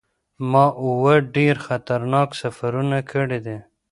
ما اووه ډیر خطرناک سفرونه کړي دي.